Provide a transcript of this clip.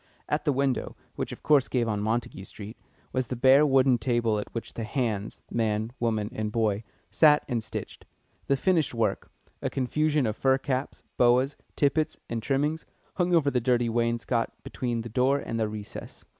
At the window, which, of course, gave on Montague Street, was the bare wooden table at which the "hands" man, woman, and boy sat and stitched. The finished work a confusion of fur caps, boas, tippets, and trimmings hung over the dirty wainscot between the door and the recess.